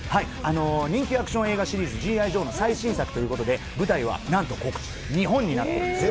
人気アクション映画シリーズ、ＧＩジョーの最新作ということで、舞台はなんと日本になってるんですよ。